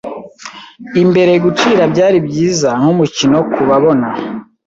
Imbere gucira. Byari byiza nkumukino kubabona.